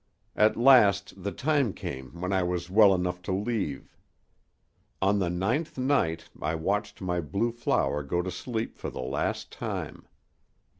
At last the time came when I was well enough to leave. On the ninth night I watched my blue flower go to sleep for the last time.